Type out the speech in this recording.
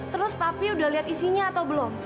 terus papi udah lihat isinya atau belum